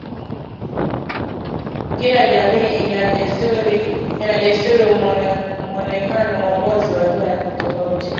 kila jamii ina desturi muonekano uongozi na lugha tofauti